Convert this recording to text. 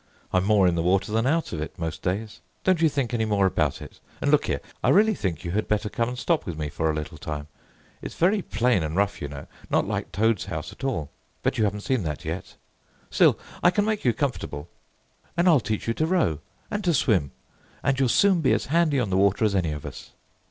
I'm more in the water than out of it most days. Don't you think any more about it; and, look here! I really think you had better come and stop with me for a little time. It's very plain and rough, you know—not like Toad's house at all—but you haven't seen that yet; still, I can make you comfortable. And I'll teach you to row, and to swim, and you'll soon be as handy on the water as any of us."